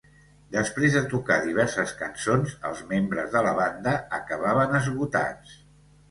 Després de tocar diverses cançons, els membres de la banda acabaven esgotats.